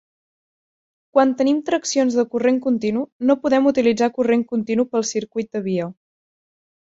Quan tenim traccions de corrent continu no podem utilitzar corrent continu pel circuit de via.